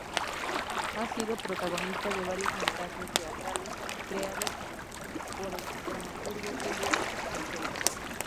Ha sido protagonista de varios montajes teatrales creados por el dramaturgo Julio Pincheira.